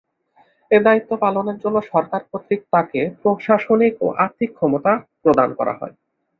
এ দায়িত্ব পালনের জন্য সরকার কর্তৃক তাকে প্রশাসনিক ও আর্থিক ক্ষমতা প্রদান করা হয়।